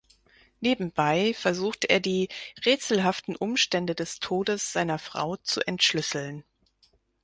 Nebenbei versucht er die rätselhaften Umstände des Todes seiner Frau zu entschlüsseln.